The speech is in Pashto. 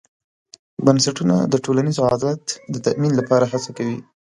بنسټونه د ټولنیز عدالت د تامین لپاره هڅه کوي.